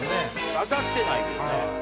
当たってないけどね。